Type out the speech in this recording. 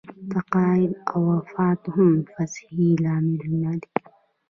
تقاعد او وفات هم د فسخې لاملونه دي.